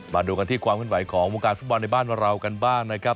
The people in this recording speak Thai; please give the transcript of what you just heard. มาดูกันที่ความขึ้นไหวของวงการฟุตบอลในบ้านเรากันบ้างนะครับ